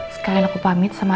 sekalian aku pamit sama